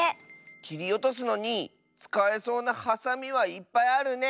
きりおとすのにつかえそうなハサミはいっぱいあるね。